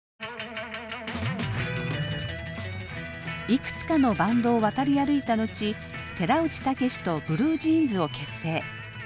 いくつかのバンドを渡り歩いた後寺内タケシとブルージーンズを結成。